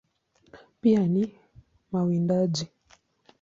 Pia ni wawindaji.